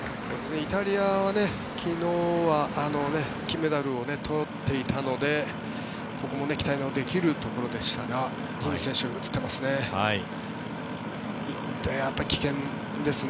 イタリアは昨日は金メダルを取っていたのでここも期待のできるところでしたがディニズ選手、映ってますね。